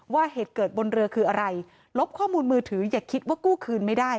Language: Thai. เหตุเกิดบนเรือคืออะไรลบข้อมูลมือถืออย่าคิดว่ากู้คืนไม่ได้